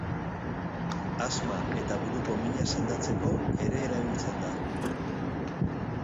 Asma eta buruko mina sendatzeko ere erabiltzen da.